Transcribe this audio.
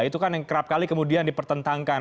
itu kan yang kerap kali kemudian dipertentangkan